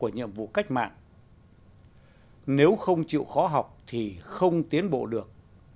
nếu không chịu khó học thì không tiến bộ được